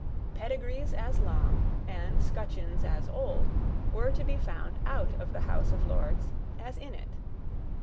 Pedigrees as long, and scutcheons as old, were to be found out of the House of Lords as in it.